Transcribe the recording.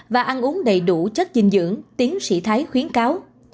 và ăn uống đầy đủ chất dinh dưỡng tiến sĩ thái khuyến cáo